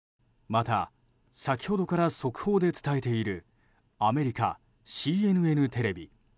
また、先ほどから速報で伝えているアメリカＣＮＮテレビ。